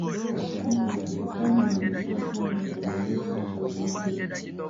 Hata hivyo Ukeketaji unabakia kuwa ni kielelezo cha utamaduni